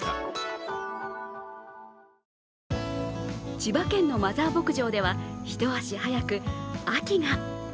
千葉県のマザー牧場では一足早く、秋が。